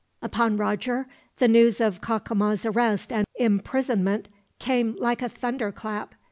Upon Roger, the news of Cacama's arrest and imprisonment came like a thunderclap.